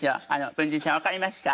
文珍さん分かりますか？」。